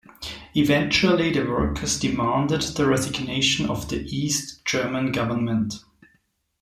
Eventually, the workers demanded the resignation of the East German government.